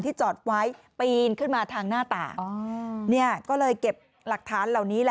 จอดไว้ปีนขึ้นมาทางหน้าต่างก็เลยเก็บหลักฐานเหล่านี้